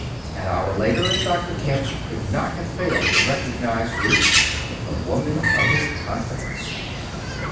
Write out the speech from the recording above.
An hour later, and Dr. Kemp could not have failed to recognize Ruth, the woman of his confidence.